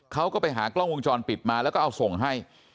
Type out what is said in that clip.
เขาก็ไปหากล้องวงจรปิดมาแล้วก็เอาส่งให้